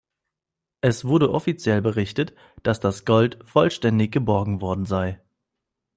Es wurde offiziell berichtet, dass das Gold vollständig geborgen worden sei.